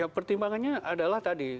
ya pertimbangannya adalah tadi